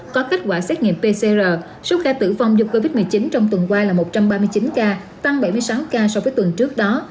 có kết quả xét nghiệm pcr số ca tử vong do covid một mươi chín trong tuần qua là một trăm ba mươi chín ca tăng bảy mươi sáu ca so với tuần trước đó